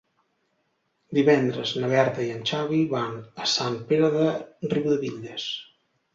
Divendres na Berta i en Xavi van a Sant Pere de Riudebitlles.